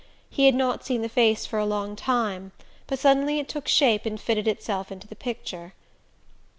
He had not seen the face for a long time, but suddenly it took shape and fitted itself into the picture...